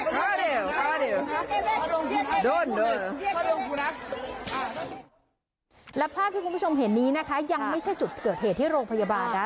แล้วภาพที่คุณผู้ชมเห็นนี้นะคะยังไม่ใช่จุดเกิดเหตุที่โรงพยาบาลนะ